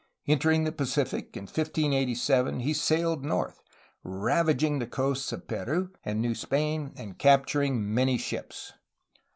Entering the Pacific in 1587, he sailed north, ravaging the coasts of Peru and New Spain and capturing many ships.